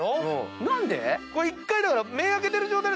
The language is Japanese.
これ１回だから。